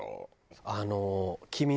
あの。